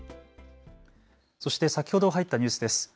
そして先ほど入ったニュースです。